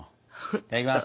いただきます！